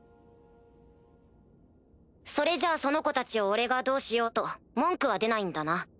それじゃあその子たちを俺がどうしようと文句は出ないんだな。